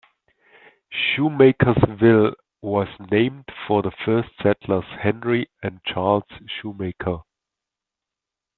Shoemakersville was named for the first settlers, Henry and Charles Shoemaker.